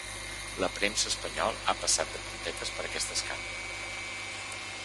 La premsa espanyol ha passat de puntetes per aquest escàndol.